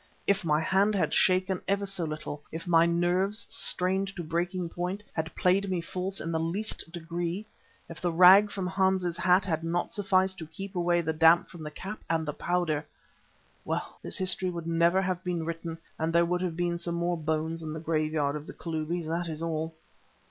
If my hand had shaken ever so little, if my nerves, strained to breaking point, had played me false in the least degree, if the rag from Hans's hat had not sufficed to keep away the damp from the cap and powder! Well, this history would never have been written and there would have been some more bones in the graveyard of the Kalubis, that is all!